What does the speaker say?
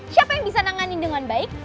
siapa yang bisa nanganin dengan baik